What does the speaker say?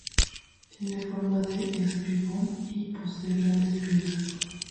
Tiene forma de espigón y posee grandes piedras.